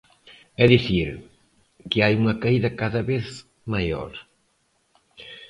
É dicir, que hai unha caída cada vez maior.